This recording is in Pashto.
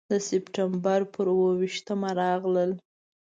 د سپټمبر پر اوه ویشتمه راغلل.